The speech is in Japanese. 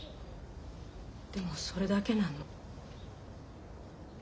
でもそれだけなの。